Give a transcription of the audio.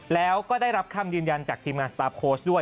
แล้วก็ได้รับคำยืนยันจากทีมงานสตาร์ฟโค้ชด้วย